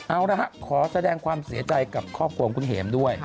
เอาละฮะขอแสดงความเสียใจกับครอบครัวของคุณเห็มด้วย